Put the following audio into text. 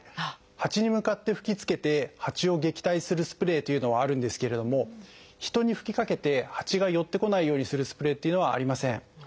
ハチに向かって吹きつけてハチを撃退するスプレーというのはあるんですけれども人に吹きかけてハチが寄ってこないようにするスプレーっていうのはありません。